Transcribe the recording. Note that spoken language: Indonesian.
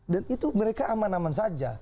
dan itu mereka aman aman saja